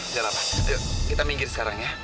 jangan pak kita minggir sekarang ya